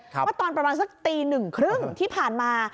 ว่าตอนประมาณสักตีหนึ่งครึ่งที่ผ่านมา